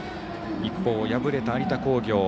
一方、敗れた有田工業。